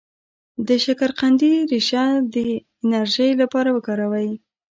د شکرقندي ریښه د انرژی لپاره وکاروئ